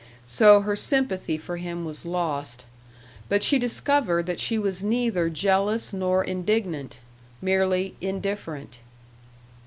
So her sympathy for him was lost. But she discovered that she was neither jealous nor indignant merely indifferent.